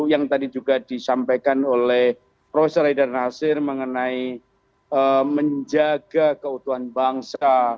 yang tadi juga disampaikan oleh prof haidar nasir mengenai menjaga keutuhan bangsa